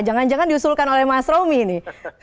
jangan jangan diusulkan oleh mas romy ini